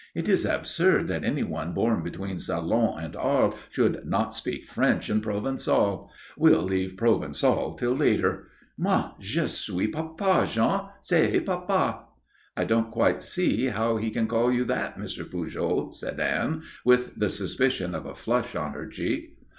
It is absurd that anyone born between Salon and Arles should not speak French and Provençal; we'll leave Provençal till later. Moi, je suis papa, Jean. Say papa." "I don't quite see how he can call you that, Mr. Pujol," said Anne, with the suspicion of a flush on her cheek.